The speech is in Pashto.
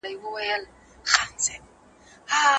ټولنه اوس ارامه ده.